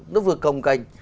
nó vừa cồng cành